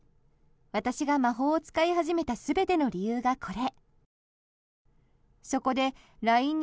私が魔法を使い始めた全ての理由がこれ。